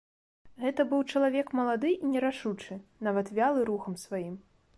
Гэта быў чалавек малады і нерашучы, нават вялы рухам сваім.